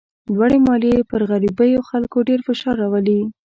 لوړې مالیې پر غریبو خلکو ډېر فشار راولي.